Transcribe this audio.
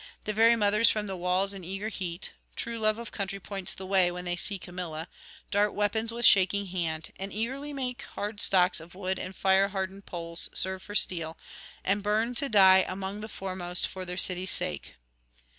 The very mothers from the walls in eager heat (true love of country points the way, when they see Camilla) dart weapons with shaking hand, and eagerly make hard stocks of wood and fire hardened poles serve for steel, and burn to die among the foremost for their city's sake.